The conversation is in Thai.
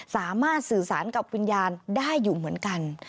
สามารถสื่อสารกับวิญญาณได้อยู่เหมือนกัน